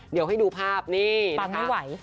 เดี๋ยวให้ดูภาพนี่นะคะปากไม่ไหว